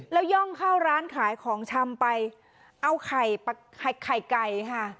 แล้วย่องเข้าร้านขายของชำไปเอาไข่ไก่ค่ะ